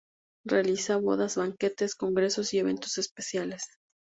Realiza bodas, banquetes, congresos y eventos especiales.